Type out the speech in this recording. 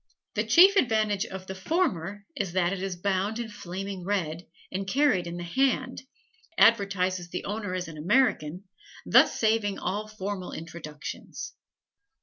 The chief advantage of the former is that it is bound in flaming red, and carried in the hand, advertises the owner as an American, thus saving all formal introductions.